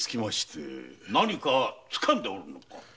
何かつかんでおるのか？